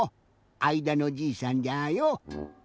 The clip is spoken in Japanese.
あいだのじいさんじゃよ。